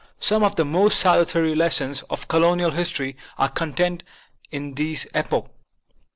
Some of the most salutary lessons of colonial history are contained in this epoch.